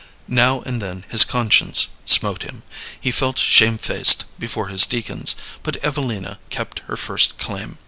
Now and then his conscience smote him, he felt shamefaced before his deacons, but Evelina kept her first claim.